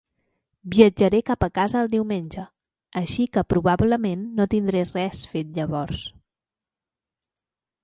Viatjaré cap a casa el diumenge, així que probablement no tindré res fet llavors.